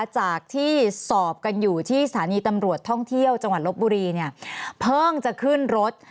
จากที่สอบกันอยู่ที่สถานีตำรวจท่องเที่ยวจังหวัดลบบุรีเนี่ยเพิ่งจะขึ้นรถ